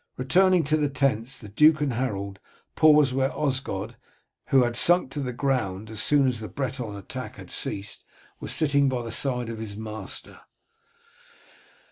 Returning to the tents, the duke and Harold paused where Osgod, who had sunk to the ground as soon as the Breton attack had ceased, was sitting by the side of his master.